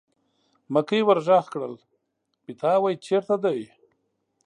مکۍ ور غږ کړل: پیتاوی چېرته دی.